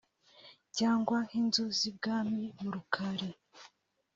cyangwa nk’inzu z’ibwami mu Rukari